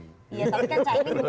iya tapi kan cak ini bukan